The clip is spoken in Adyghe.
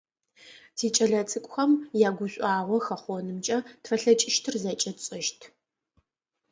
Тикӏэлэцӏыкӏухэм ягушӏуагъо хэхъонымкӏэ тфэлъэкӏыщтыр зэкӏэ тшӏэщт.